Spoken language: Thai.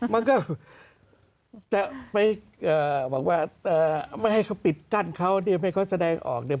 มันก็จะไปบอกว่าไม่ให้เขาปิดกั้นเขาเนี่ยไม่เขาแสดงออกเนี่ย